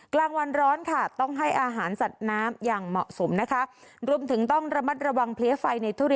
กลางวันร้อนค่ะต้องให้อาหารสัตว์น้ำอย่างเหมาะสมนะคะ